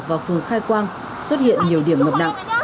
và phường khai quang xuất hiện nhiều điểm ngập nặng